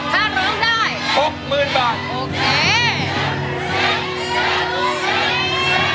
ถ้าร้องได้